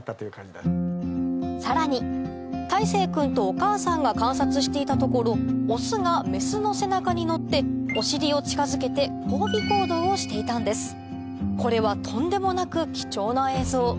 さらに泰成君とお母さんが観察していたところオスがメスの背中に乗ってお尻を近づけて交尾行動をしていたんですこれはとんでもなく貴重な映像